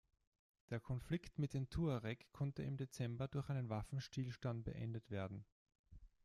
Der Konflikt mit den Tuareg konnte im Dezember durch einen Waffenstillstand beendet werden.